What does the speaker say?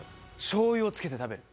しょうゆをつけて食べる。